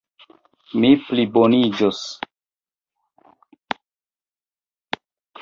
Mi pliboniĝos.